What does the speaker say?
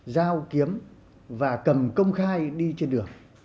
giao kiếm và cầm công khai đi trên đường